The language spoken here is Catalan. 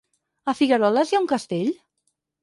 A Figueroles hi ha un castell?